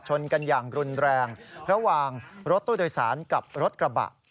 ชนกันอย่างรุนแรงระหว่างรถตู้โดยสารกับรถกระบะ